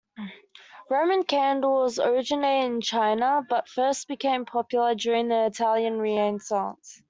Roman candles originated in China, but first became popular during the Italian Renaissance.